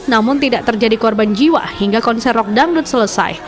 namun tidak terjadi korban jiwa hingga konser rock dangdut selesai